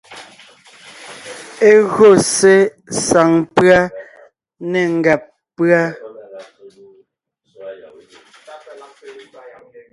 E gÿo ssé saŋ pʉ́a né ngàb pʉ́a.